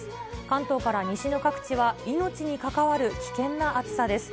関東から西の各地は命に関わる危険な暑さです。